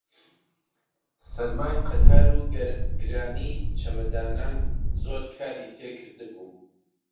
سەرمای قەتار و گرانی چەمەدانان زۆری کار تێ کردبووم